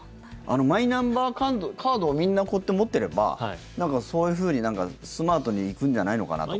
マイナンバーカードをみんなこうやって持ってればなんかそういうふうにスマートにいくんじゃないのかなと。